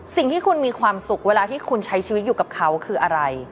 สิ่งที่คุณมีความสุขเวลาที่คุณใช้ชีวิตอยู่กับเขาคืออะไร